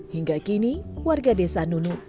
hingga kini warga desa nunuk